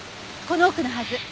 この奥のはず。